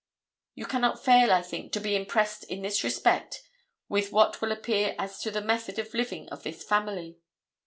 You cannot fail, I think, to be impressed in this respect with what will appear as to the method of living of this family.